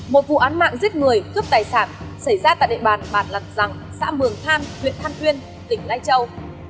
một vụ án mạng giết người cướp tài sản xảy ra tại địa bàn bạn lật rằng xã mường thang huyện thăn uyên tỉnh lai châu